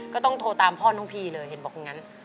ก็ต้องโทรตามพ่อน้องพีเลยเห็นบอกตรงนั้น